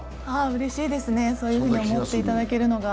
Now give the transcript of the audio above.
うれしいですね、そういうふうに思っていただけるのが。